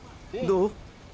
どう？